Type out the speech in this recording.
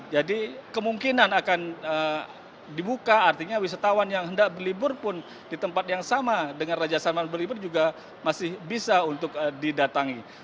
jadi kemungkinan akan dibuka artinya wisatawan yang hendak berlibur pun di tempat yang sama dengan raja salman berlibur juga masih bisa untuk didatangi